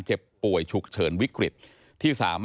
พบหน้าลูกแบบเป็นร่างไร้วิญญาณ